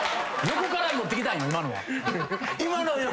横から持ってきたんよ。